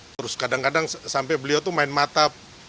terus kadang kadang sampai beliau tuh main mata